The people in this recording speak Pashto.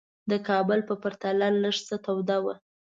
د کابل په پرتله لږ څه توده وه.